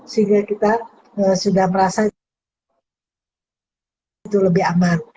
sehingga kita sudah merasa itu lebih aman